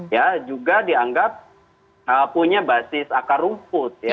ya juga dianggap punya basis akar rumput